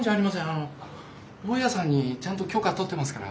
あの大家さんにちゃんときょかとってますから。